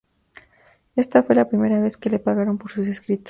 Esta fue la primera vez que le pagaron por sus escritos.